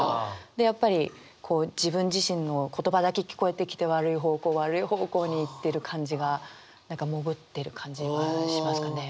でやっぱり自分自身の言葉だけ聞こえてきて悪い方向悪い方向に行ってる感じが何か潜ってる感じがしますかね。